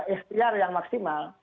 istiar yang maksimal